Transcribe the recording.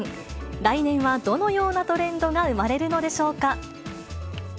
来年はどのようなトレンドが生まれるのでしょうか。